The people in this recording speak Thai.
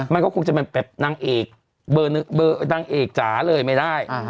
มันก็คงจะเป็นแบบนางเอกเบอร์นางเอกจ๋าเลยไม่ได้